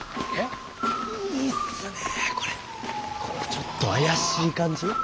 このちょっと怪しい感じ。